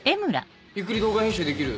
ゆっくり動画編集できる。